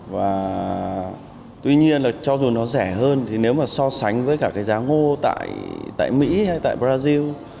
và tuy nhiên là cho dù nó rẻ hơn thì nếu mà so sánh với cả cái giá ngô tại mỹ hay tại brazil